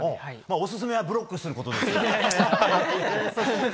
おすすめはブロックすることです。